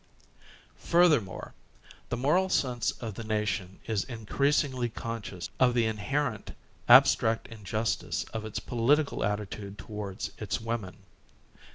Furthermore, the moral sense of the nation is in creasingly conscious of the inherent abstract injustice of its political attitude towards its women.